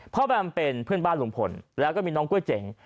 แบมเป็นเพื่อนบ้านลุงพลแล้วก็มีน้องก๋วยเจ๋ง